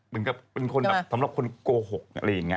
เป็นคนแบบสำหรับคนโกหกอะไรอย่างนี้